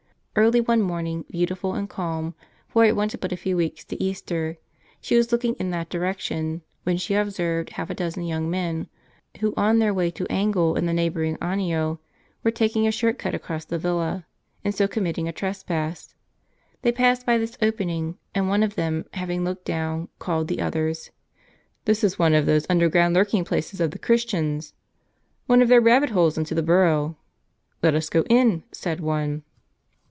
Early one morning, beautiful and calm, for it wanted but a few weeks to Easter, she was looking in that direction, when she observed half a dozen young men, who on their way to angle in the neighboring Anio, were taking a short cut across the villa, and so committing a trespass. They passed by this 0]3ening; and one of them, having looked down, called the others. "This is one of those underground lurking places of the Christians." " One of their rabbit holes into the burrow." "Let us go in," said one.